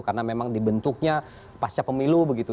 karena memang dibentuknya pasca pemilu begitu